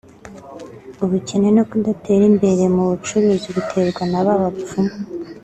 ubukene no kudatera imbere mu bucuruzi biterwa n’aba bapfumu